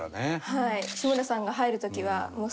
はい。